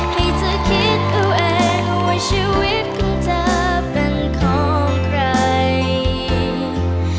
ให้เธอคิดเอาเองว่าชีวิตของเธอเป็นของใคร